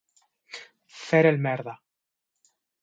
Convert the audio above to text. Fer el merda.